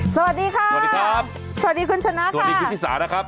สวัสดีค่ะสวัสดีครับสวัสดีคุณชนะสวัสดีคุณชิสานะครับ